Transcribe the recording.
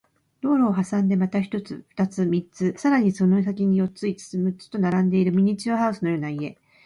道路を挟んでまた一つ、二つ、三つ、さらにその先に四つ、五つ、六つと並んでいるミニチュアハウスのような家